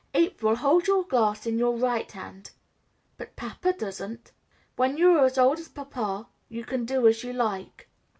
"April, hold your glass in your right hand." "But papa doesn't." "When you are as old as papa you can do as you like."